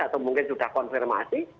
atau mungkin sudah konfirmasi